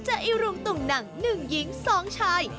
จะอิรุงตุ่งหนังหนึ่งหญิงสองชาย